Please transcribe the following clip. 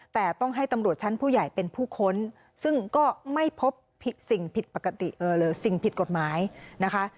แต่ต้องให้ตำรวจชั้นผู้ใหญ่เป็นผู้ค้นซึ่งก็ไม่พบสิ่งผิดปกติสิ่งผิดกฎหมายนะคะ